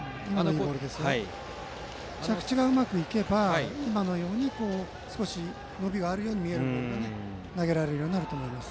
着地がうまくいけば今のように少し伸びがあるように見えるボールも投げられるようになると思います。